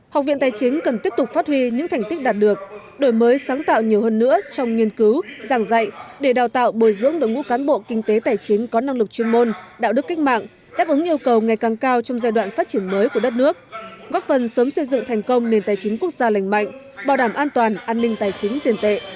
học viện tài chính cần tiếp tục phát huy những thành tích đạt được đổi mới sáng tạo nhiều hơn nữa trong nghiên cứu giảng dạy để đào tạo bồi dưỡng đội ngũ cán bộ kinh tế tài chính có năng lực chuyên môn đạo đức cách mạng đáp ứng yêu cầu ngày càng cao trong giai đoạn phát triển mới của đất nước góp phần sớm xây dựng thành công nền tài chính quốc gia lành mạnh bảo đảm an toàn an ninh tài chính tiền tệ